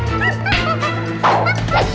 anda harus belo dans